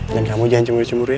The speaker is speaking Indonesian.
dan kamu jangan cemburu cemburu ya